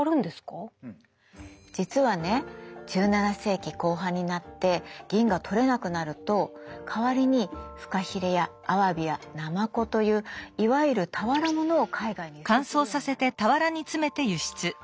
実はね１７世紀後半になって銀が採れなくなると代わりにフカヒレやアワビやナマコといういわゆる俵物を海外に輸出するようになるの。